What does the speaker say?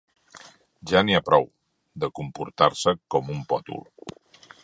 Ja n'hi ha prou, de comportar-se com un pòtol!